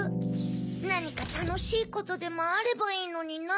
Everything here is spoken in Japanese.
なにかたのしいことでもあればいいのにな。